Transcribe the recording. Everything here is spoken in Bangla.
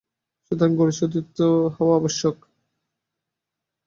সুতরাং গুরুর শুদ্ধচিত্ত হওয়া আবশ্যক।